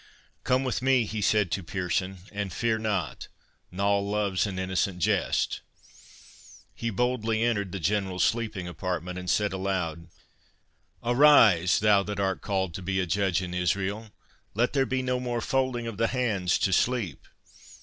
"Come with me," he said to Pearson, "and fear not—Noll loves an innocent jest." He boldly entered the General's sleeping apartment, and said aloud, "Arise, thou that art called to be a judge in Israel—let there be no more folding of the hands to sleep.